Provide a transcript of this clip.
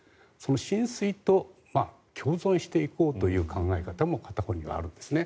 浸水と共存していこうという考え方も片方にはあるんですね。